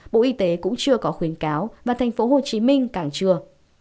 bộ y tế cũng chưa có khuyến cáo và thành phố hồ chí minh càng chưa